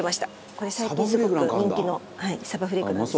これ最近すごく人気のさばフレークなんです。